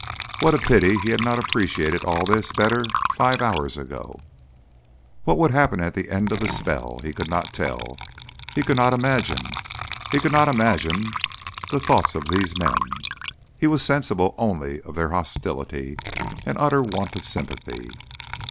What a pity he had not appreciated all this better five hours ago! What would happen at the end of the spell? He could not tell. He could not imagine. He could not imagine the thoughts of these men. He was sensible only of their hostility and utter want of sympathy.